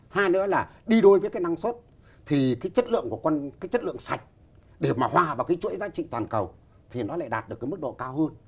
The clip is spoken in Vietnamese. hai nữa là đi đôi với cái năng suất thì cái chất lượng sạch để mà hòa vào cái chuỗi giá trị toàn cầu thì nó lại đạt được cái mức độ cao hơn